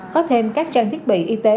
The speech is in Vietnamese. có thêm các trang thiết bị y tế